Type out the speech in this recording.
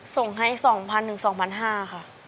ส่งให้สองพันหนึ่งสองพันห้าค่ะ